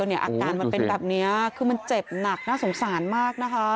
อาการมันเป็นแบบนี้คือมันเจ็บหนักน่าสงสารมากนะคะ